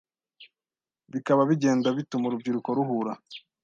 bikaba bigenda bituma urubyiruko ruhura